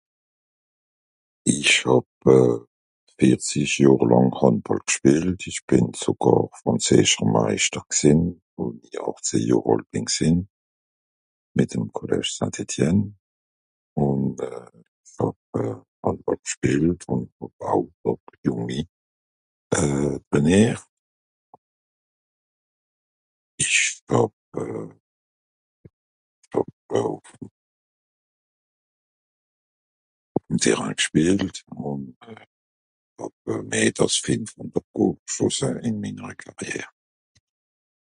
Ìch hàb euh... vìerzisch Johre làng Hàndbàll gspìelt, ìch bìn sogàr frànzeescher Meischter gsìnn, wo-n-i àchzeh Johr àlt bìn gsìnn. Mìt'm Collège Saint-Etienne. Ùn euh... Hàndbàll gspìelt [inaudible] jùngi... euh... (...). Ìch hàb euh... hàb euh... ùff'm... Terrain gspìelt (...) ìn minnere Carrière.